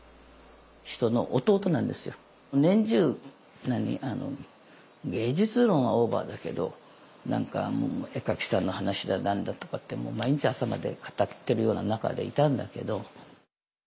年中あの芸術論はオーバーだけど何かもう絵描きさんの話だなんだとかってもう毎日朝まで語ってるような仲でいたんだけど。